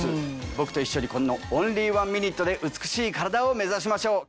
僕と一緒にこのオンリーワンミニットで美しい体を目指しましょう。